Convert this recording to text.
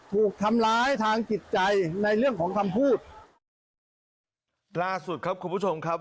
ถูกทำร้ายทางจิตใจในเรื่องของคำพูดล่าสุดครับคุณผู้ชมครับ